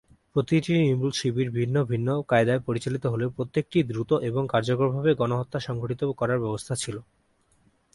প্রতিটি নির্মূল শিবির ভিন্ন ভিন্ন কায়দায় পরিচালিত হলেও প্রত্যেকটিতে দ্রুত এবং কার্যকরভাবে গণহত্যা সংঘটিত করার ব্যবস্থা ছিল।